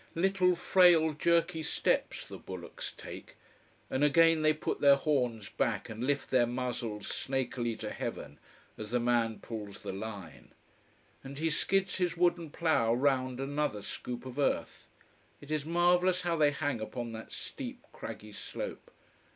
Little, frail, jerky steps the bullocks take, and again they put their horns back and lift their muzzles snakily to heaven, as the man pulls the line. And he skids his wooden plough round another scoop of earth. It is marvellous how they hang upon that steep, craggy slope.